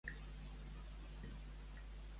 D'un estiu surt un hivern, s'ennigula, plou i trona.